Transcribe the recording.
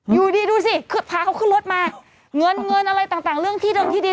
อยู่ดีดูสิคือพาเขาขึ้นรถมาเงินเงินอะไรต่างเรื่องที่ดงที่ดิน